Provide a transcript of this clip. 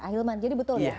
hilman jadi betul ya